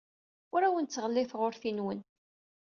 Ur awen-ttɣelliteɣ urti-nwen.